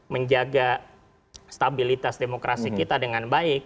menjaga stabilitas demokrasi kita dengan baik